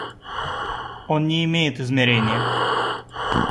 Он не имеет измерения.